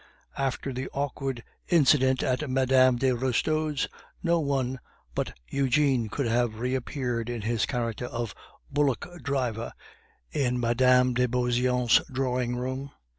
After the awkward incident at Mme. de Restaud's, no one but Eugene could have reappeared in his character of bullock driver in Mme. de Beauseant's drawing room.